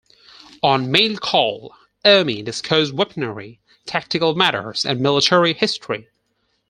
On "Mail Call", Ermey discussed weaponry, tactical matters, and military history.